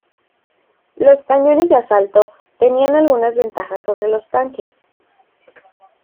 Los cañones de asalto tenían algunas ventajas sobre los tanques.